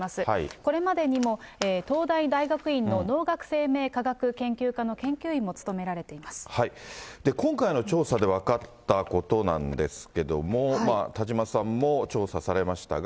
これまでにも東大大学院の農学生命科学研究科の研究員も務められ今回の調査で分かったことなんですけれども、田島さんも調査されましたが。